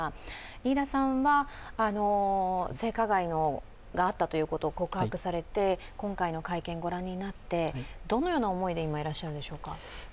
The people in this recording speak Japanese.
飯田さんは性加害があったということを告白されて、今回の会見ご覧になって、どのような思いで今いらっしゃるでしょうか？